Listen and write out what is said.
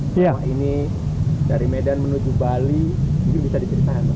siang ini dari medan menuju bali ini bisa diceritakan